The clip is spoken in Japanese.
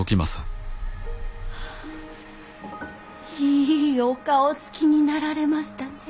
いいお顔つきになられましたね。